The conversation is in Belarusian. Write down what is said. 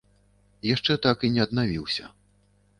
Яшчэ так і не аднавіўся.